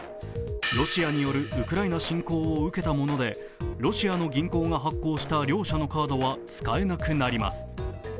ロシアによるウクライナ侵攻を受けたものでロシアの銀行が発行した両社のカードは使えなくなります。